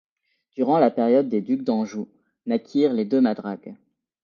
Durant la période des ducs d'Anjou naquirent les deux madragues.